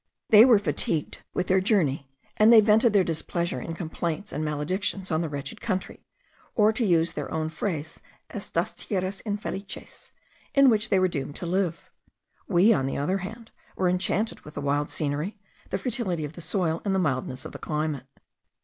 They were fatigued with their journey, and they vented their displeasure in complaints and maledictions on the wretched country, or to use their own phrase, estas tierras infelices, in which they were doomed to live. We, on the other hand, were enchanted with the wild scenery, the fertility of the soil, and the mildness of the climate.